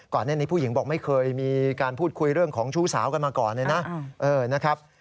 ก่อนหน้านี้ผู้หญิงบอกไม่เคยมีการพูดคุยเรื่องของชู้สาวกันมาก่อนเลยนะนะครับ